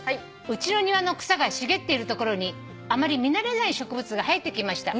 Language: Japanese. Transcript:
「うちの庭の草が茂っている所にあまり見慣れない植物が生えてきました」